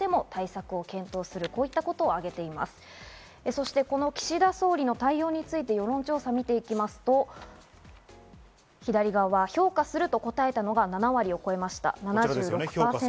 そして岸田総理の対応について世論調査を見ていきますと、左側、評価すると答えたのが７割を超えました、７６％。